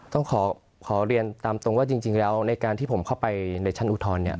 ต้องขอเรียนตามตรงว่าจริงแล้วในการที่ผมเข้าไปในชั้นอุทธรณ์เนี่ย